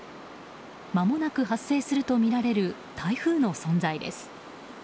まもなく発生するとみられる台風の存在です。